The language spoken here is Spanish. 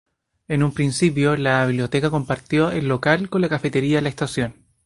En un principio la biblioteca compartió el local con la Cafetería La Estación.